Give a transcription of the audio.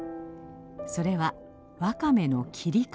それはワカメの切り方。